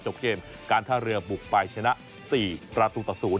เกมการท่าเรือบุกไปชนะ๔ประตูต่อ๐